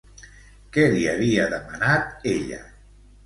Què li havia demanat ella?